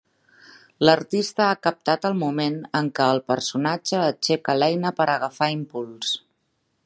L’artista ha captat el moment en què el personatge aixeca l’eina per agafar impuls.